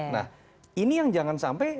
nah ini yang jangan sampai